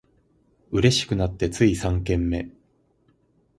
嬉しくなってつい三軒目